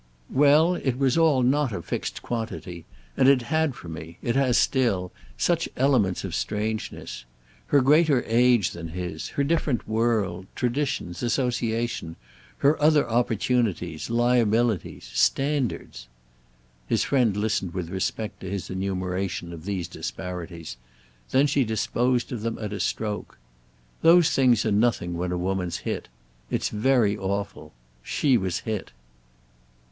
"Well, it was all not a fixed quantity. And it had for me—it has still—such elements of strangeness. Her greater age than his, her different world, traditions, association; her other opportunities, liabilities, standards." His friend listened with respect to his enumeration of these disparities; then she disposed of them at a stroke. "Those things are nothing when a woman's hit. It's very awful. She was hit."